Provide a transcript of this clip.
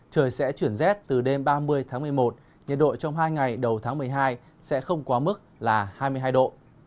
trời sẽ chuyển rét từ đêm ba mươi tháng một mươi một nhiệt độ trong hai ngày đầu tháng một mươi hai sẽ không quá mức là hai mươi hai độ